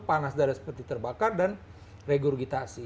panas dada seperti terbakar dan regurgitasi